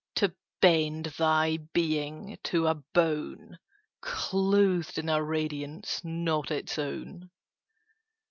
"To bend thy being to a bone Clothed in a radiance not its own!"